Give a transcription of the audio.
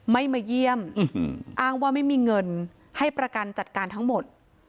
ไม่มาเยี่ยมอ้างว่าไม่มีเงินให้ประกันจัดการทั้งหมด